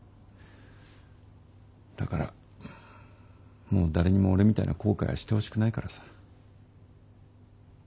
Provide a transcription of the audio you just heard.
だからもう誰にも俺みたいな後悔はしてほしくないからさ。